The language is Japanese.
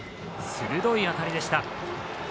鋭い当たりでした。